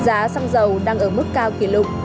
giá xăng dầu đang ở mức cao kỷ lục